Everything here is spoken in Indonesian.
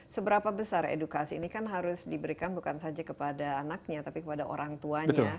seberapa besar edukasi ini kan harus diberikan bukan saja kepada anaknya tapi kepada orang tuanya